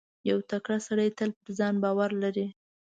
• یو تکړه سړی تل پر ځان باور لري.